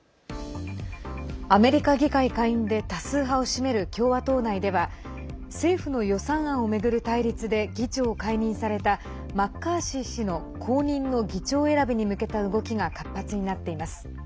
アメリカ議会下院で多数派を占める共和党内では政府の予算案を巡る対立で議長を解任されたマッカーシー氏の後任の議長選びに向けた動きが活発になっています。